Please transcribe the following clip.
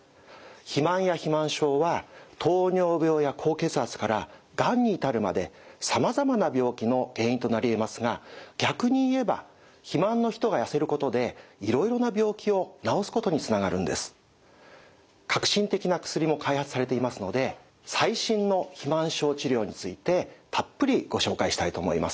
肥満や肥満症は糖尿病や高血圧からがんに至るまでさまざまな病気の原因となりえますが逆に言えば革新的な薬も開発されていますので最新の肥満症治療についてたっぷりご紹介したいと思います。